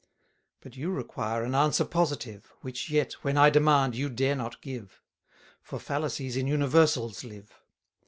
But you require an answer positive, Which yet, when I demand, you dare not give; For fallacies in universals live.